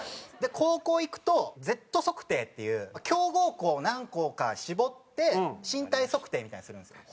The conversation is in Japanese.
高校行くとＺＥＴＴ測定っていう強豪校を何校か絞って身体測定みたいなのをするんですよ。